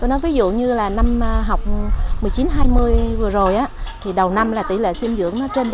tôi nói ví dụ như là năm học một mươi chín hai mươi vừa rồi á thì đầu năm là tỷ lệ sinh dưỡng nó trên bốn mươi